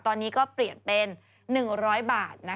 ตอนนี้ก็เปลี่ยนเป็น๑๐๐บาท